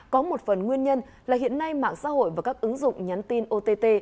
có một phần nguyên nhân là hiện nay mạng xã hội và các ứng dụng nhắn tin ott